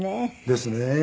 ですね。